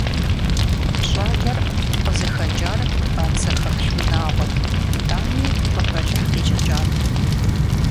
ЩӀалэр къызыхэкӀар бацэхэплъ унагъуэт, итӀани лӀы бэлыхъ къищӀыкӀат.